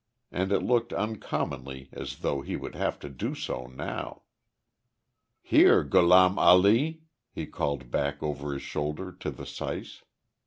And it looked uncommonly as though he would have to do so now. "Here, Gholam Ali," he called back over his shoulder to the syce.